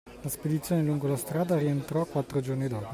La spedizione lungo la strada rientrò quattro giorni dopo.